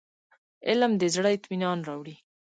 علم د زړه اطمينان راوړي.